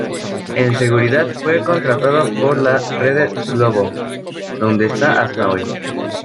En seguida fue contratado por la Rede Globo, donde está hasta hoy.